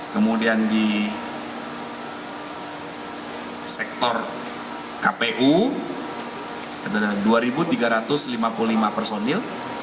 kemudian di sektor kpu ada dua tiga ratus lima puluh lima personil